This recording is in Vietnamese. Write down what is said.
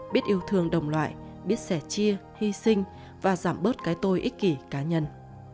biết yêu thương đồng loại biết sẻ chia hy sinh và giảm bớt cái tôi ích kỷ cá nhân